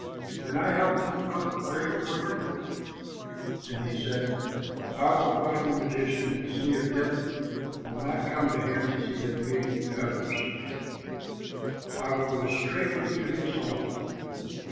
"Can I help them?" thought a brave warrior, and he said, "I will find the magician, and see if death will not come to him as he has made it come to others. I will go straightway to his home."